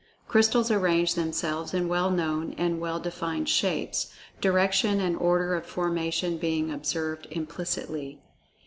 Crystals arrange themselves in well known and well defined shapes, direction and order of formation being observed implicitly.